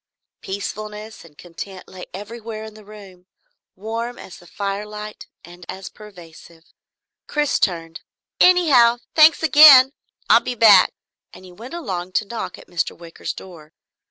Peacefulness and content lay everywhere in the room, warm as the firelight and as pervasive. Chris turned. "Anyhow, thanks again. I'll be back," and he went along to knock at Mr. Wicker's door.